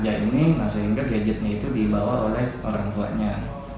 jadi sehingga gadgetnya itu dibawa oleh orang tuanya